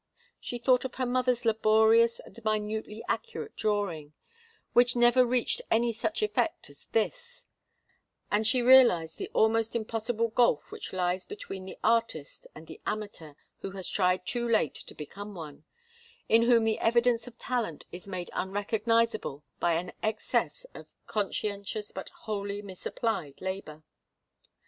She thought of her mother's laborious and minutely accurate drawing, which never reached any such effect as this, and she realized the almost impossible gulf which lies between the artist and the amateur who has tried too late to become one in whom the evidence of talent is made unrecognizable by an excess of conscientious but wholly misapplied labour.